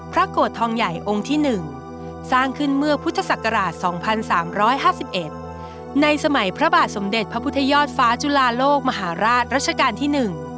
โกรธทองใหญ่องค์ที่๑สร้างขึ้นเมื่อพุทธศักราช๒๓๕๑ในสมัยพระบาทสมเด็จพระพุทธยอดฟ้าจุลาโลกมหาราชรัชกาลที่๑